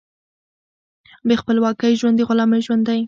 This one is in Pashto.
بې خپلواکۍ ژوند د غلامۍ ژوند دی.